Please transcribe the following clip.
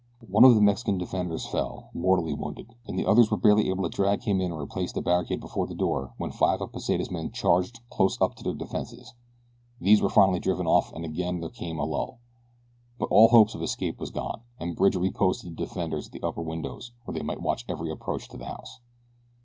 One of the Mexican defenders fell, mortally wounded, and the others were barely able to drag him within and replace the barricade before the door when five of Pesita's men charged close up to their defenses. These were finally driven off and again there came a lull; but all hope of escape was gone, and Bridge reposted the defenders at the upper windows where they might watch every approach to the house.